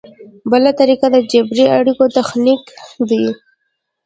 بله طریقه د جبري اړیکو تخنیک دی.